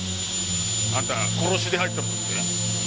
あんた殺しで入ったんだって？